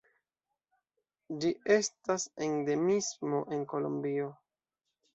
Ĝi estas endemismo en Kolombio.